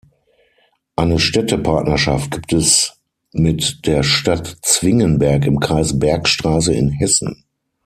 Eine Städtepartnerschaft gibt es mit der Stadt Zwingenberg im Kreis Bergstraße in Hessen.